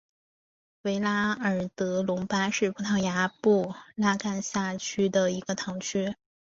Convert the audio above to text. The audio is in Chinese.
维拉尔德隆巴是葡萄牙布拉干萨区的一个堂区。